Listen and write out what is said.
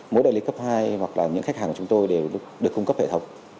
mỗi đại lý cấp hai hoặc là những khách hàng của chúng tôi đều được cung cấp hệ thống